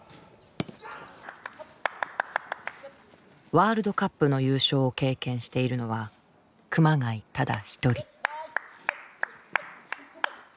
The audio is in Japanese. ワールドカップの優勝を経験しているのは熊谷ただ一人。